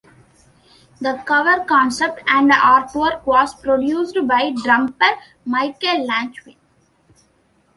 The cover concept and artwork was produced by drummer Michel Langevin.